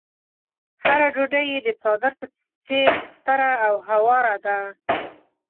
هره ډوډۍ يې د څادر په څېر ستره او هواره ده.